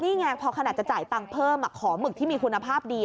นี่ไงพอขนาดจะจ่ายตังค์เพิ่มขอหมึกที่มีคุณภาพดี